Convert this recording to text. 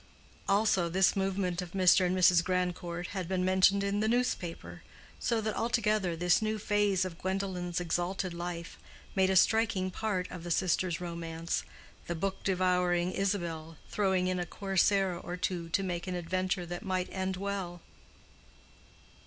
Also, this movement of Mr. and Mrs. Grandcourt had been mentioned in "the newspaper;" so that altogether this new phase of Gwendolen's exalted life made a striking part of the sisters' romance, the book devouring Isabel throwing in a corsair or two to make an adventure that might end well.